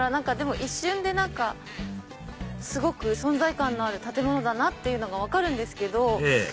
でも一瞬ですごく存在感のある建物だなって分かるんですけど。